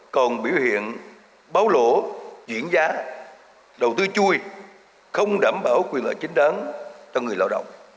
còn biểu hiện báo lỗ diễn giá đầu tư chui không đảm bảo quyền lợi chính đáng cho người lao động